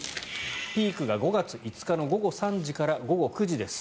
ピークが５月５日の午後３時から午後９時です。